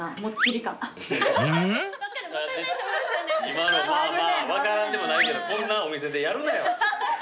今の分からんでもないけどこんなお店でやるなよ。